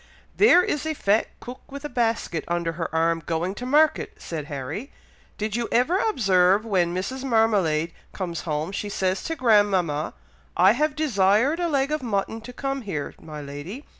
"There is a fat cook with a basket under her arm, going to market," said Harry. "Did you ever observe when Mrs. Marmalade comes home, she says to grandmama, 'I have desired a leg of mutton to come here, my lady!